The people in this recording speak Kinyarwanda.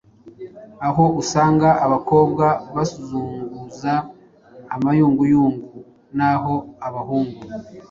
aho usanga abakobwa bazunguza amayunguyungu naho abahungu